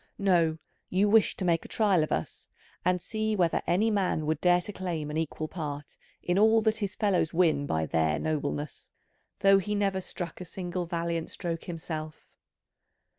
No, you wished to make trial of us and see whether any man would dare to claim an equal part in all that his fellows win by their nobleness, though he never struck a single valiant stroke himself.